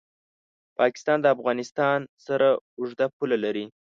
پاکستان د افغانستان سره اوږده پوله لري.